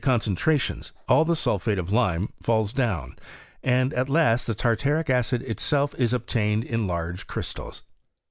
cnncentratioiM, all the snlphaie of iime falls down, and at last the tartaric acid itself is obtained in lar^ crystals.